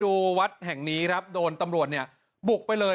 ดูวัดแห่งนี้ครับโดนตำรวจบุกไปเลย